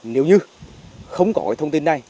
nếu như không có thông tin này